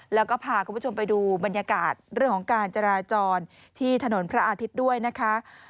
แล้วก็พาคุณผู้ชมไปดูบรรยากาศเรื่องของการจราจรที่ถนนพระอาทิตย์ด้วยนะคะ